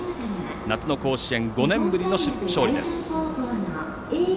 夏の甲子園、５年ぶりの勝利です。